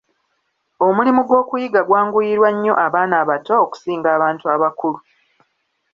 Omulimu gw'okuyiga gwanguyirwa nnyo abaana abato okusinga abantu abakulu.